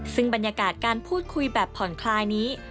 ซึ่งบรรยากาศการพูดคุยแบบผ่อนคลายนี้